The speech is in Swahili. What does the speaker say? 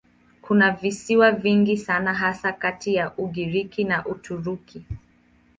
Kuna visiwa vingi sana hasa kati ya Ugiriki na Uturuki.